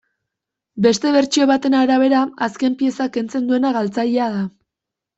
Beste bertsio baten arabera, azken pieza kentzen duena galtzaile da.